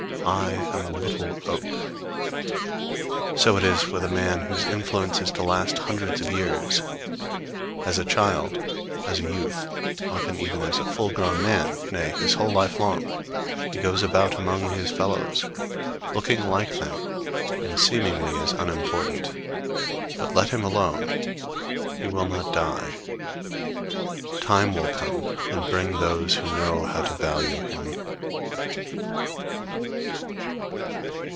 I am a little oak_. So it is with a man whose influence is to last for hundreds of years. As a child, as a youth, often even as a full grown man, nay, his whole life long, he goes about among his fellows, looking like them and seemingly as unimportant. But let him alone; he will not die. Time will come and bring those who know how to value him.